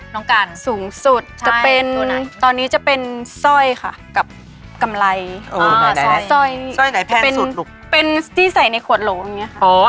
อ๋อไม่เป็นอะไรงั้นครอบ